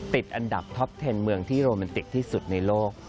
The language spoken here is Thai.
ติดอันดับท็อปเทนเมืองที่โรแมนติกที่สุดในโลก